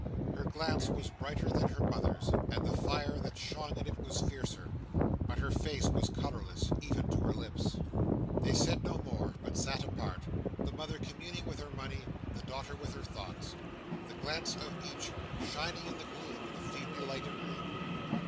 Her glance was brighter than her mother's, and the fire that shone in it was fiercer; but her face was colourless, even to her lips. They said no more, but sat apart; the mother communing with her money; the daughter with her thoughts; the glance of each, shining in the gloom of the feebly lighted room.